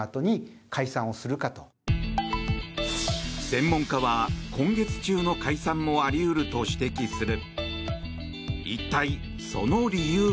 専門家は、今月中の解散もあり得ると指摘する。